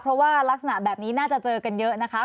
เพราะว่ารักษณะแบบนี้น่าจะเจอกันเยอะนะคะ